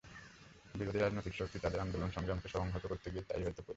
বিরোধী রাজনৈতিক শক্তি তাদের আন্দোলন-সংগ্রামকে সংহত করতে গিয়েও তাই-ই হয়তো করবে।